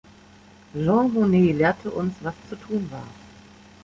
Jean Monnet lehrte uns, was zu tun war.